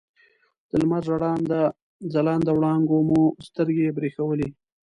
د لمر ځلانده وړانګو مو سترګې برېښولې.